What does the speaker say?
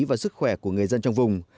và sức khỏe của người dân trong vùng